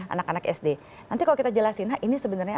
anak anak sd nanti kalau kita jelasin ini sebenarnya